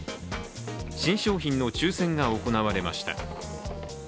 新商品の抽選が行われました。